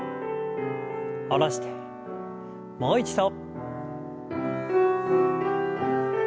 下ろしてもう一度。